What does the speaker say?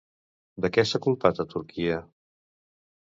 De què s'ha culpat a Turquia?